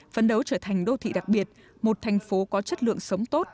phấn đấu trở thành đô thị đặc biệt một thành phố có chất lượng sống tốt